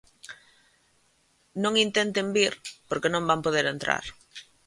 Non intenten vir porque non van poder entrar.